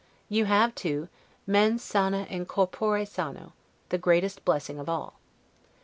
You have, too, 'mens sana in corpore sano', the greatest blessing of all.